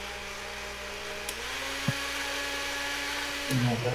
এসব নাটকে ব্যক্তি ও পারিবারিক জীবনের বিচিত্র জটিলতা ও সমস্যা তুলে ধরা হয়েছে।